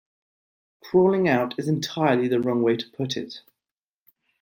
'Crawling out' is entirely the wrong way to put it.